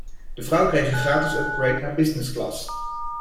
De vrouw kreeg een gratis upgrade naar businessclass.